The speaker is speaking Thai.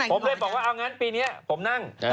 ผมเลยบอกว่าเอางั้นปีนี้ผมนั่ง